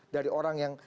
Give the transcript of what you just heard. dari orang yang